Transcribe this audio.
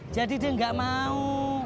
jadi dia ga mau